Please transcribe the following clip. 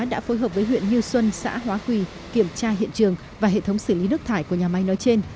đã phối hợp với huyện như xuân xã hóa quỳ kiểm tra hiện trường và hệ thống xử lý nước thải của nhà máy nói trên